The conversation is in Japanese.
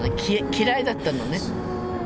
嫌いだったのね。